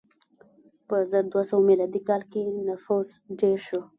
په زر دوه سوه میلادي کال کې نفوس ډېر شو.